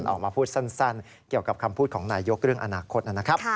ออกมาพูดสั้นเกี่ยวกับคำพูดของนายยกเรื่องอนาคตนะครับ